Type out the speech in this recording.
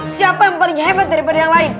siapa yang paling hebat daripada yang lain